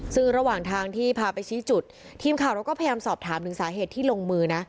ซึ่งระหว่างทางที่พาไปชี้จุดทีมข่าวเราก็พยายามสอบถามถึงสาเหตุที่ลงมือนะ